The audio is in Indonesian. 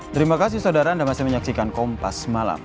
terima kasih saudara anda masih menyaksikan kompas malam